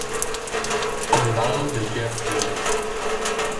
Condado de Jeff Davis